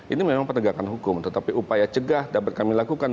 ini memang penegakan hukum tetapi upaya cegah dapat kami lakukan